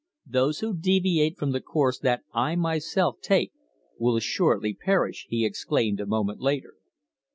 "Those who deviate from the course that I myself take will assuredly perish," he exclaimed a moment later.